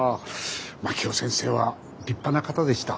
真樹夫先生は立派な方でした。